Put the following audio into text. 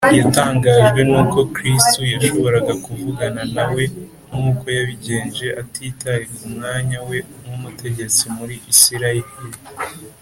. Yatangajwe nuko Kristo yashoboraga kuvugana na we nkuko yabigenje, atitaye k’umwanya we nk’umutegetsi muri Isiraheli.